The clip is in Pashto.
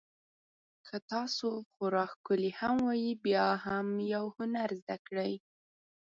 که تاسو خورا ښکلي هم وئ بیا هم یو هنر زده کړئ.